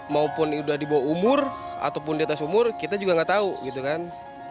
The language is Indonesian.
maupun udah di bawah umur ataupun di atas umur kita juga nggak tahu gitu kan